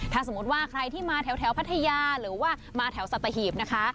ถ้าสมมุติว่าใครที่มาแถวพัทยาหรือว่ามาแถวสัตหีบนะคะ